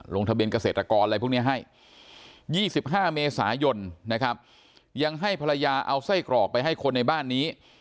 ลงทะเบียนเกษตรกรอะไรพวกนี้ให้๒๕เมษายนนะครับยังให้ภรรยาเอาไส้กรอกไปให้คนในบ้านนี้